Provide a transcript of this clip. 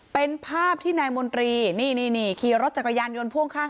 เป็นภาพที่นายมนตรีนี่ขี่รถจักรยานยนต์พ่วงข้าง